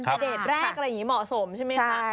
เดตแรกอะไรอย่างนี้เหมาะสมใช่ไหมคะ